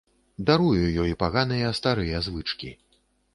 Дарую ёй паганыя старыя звычкі.